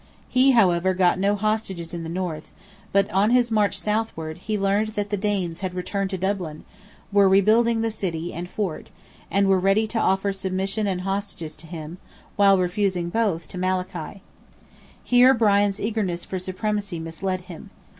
He, however, got no hostages in the North, but on his march southward, he learned that the Danes had returned to Dublin, were rebuilding the City and Fort, and were ready to offer submission and hostages to him, while refusing both to Malachy. Here Brian's eagerness for supremacy misled him.